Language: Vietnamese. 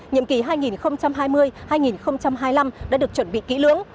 nhiệm kỳ hai nghìn hai mươi hai nghìn hai mươi năm đã được chuẩn bị kỹ lưỡng